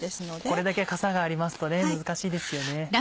これだけかさがありますと難しいですよね。